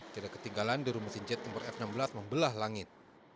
tidak ketinggalan di rumah sinjet nomor f enam belas membelah langit